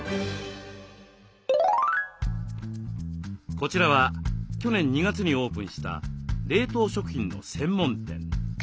こちらは去年２月にオープンした冷凍食品の専門店。